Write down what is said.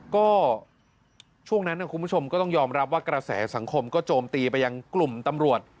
ก็ช่วงนั้นคุณผู้ชมก็ต้องยอมรับว่ากระแสสังคมก็โจมตีไปยังกลุ่มตำรวจ